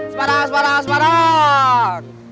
semarang semarang semarang